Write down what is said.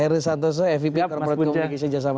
heru santoso fip kormod komunikasi jasa marga